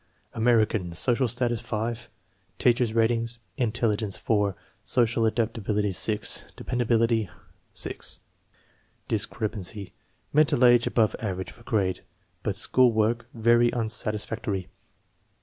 American, social status 5. Teacher's ratings: intelligence 4, social adaptability 6, de pendability 6. Discrepancy: Mental age above average for grade, but school work very unsatisfactory.